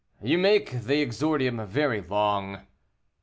"You make the exordium very long."